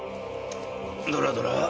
どらどら。